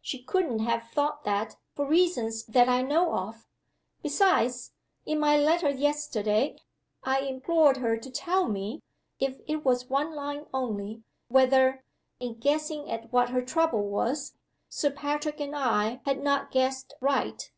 "She couldn't have thought that, for reasons that I know of. Besides, in my letter yesterday I implored her to tell me (if it was one line only) whether, in guessing at what her trouble was, Sir Patrick and I had not guessed right.